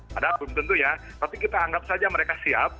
padahal belum tentu ya tapi kita anggap saja mereka siap